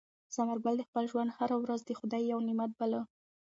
ثمر ګل د خپل ژوند هره ورځ د خدای یو نعمت باله.